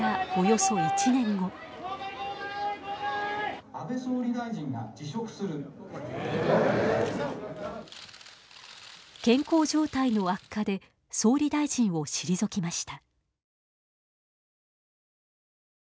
ええ！？健康状態の悪化で総理大臣を退きました。